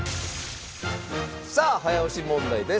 さあ早押し問題です。